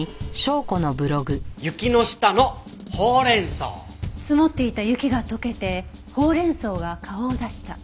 「雪の下のほうれん草」「積もっていた雪が溶けてほうれん草が顔を出した」